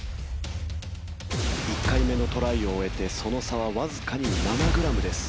１回目のトライを終えてその差はわずかに７グラムです。